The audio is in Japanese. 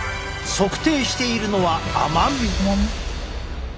測定しているのは甘み。